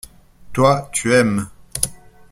Toi, tu aimes.